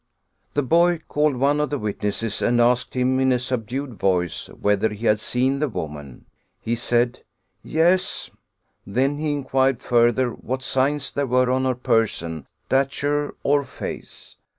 The boy called one of the witnesses and asked him in a subdued voice whether he had seen the woman? He said: "Yes." Then he inquired further what signs there were on her person, stature, or face?